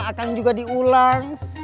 akang juga diulang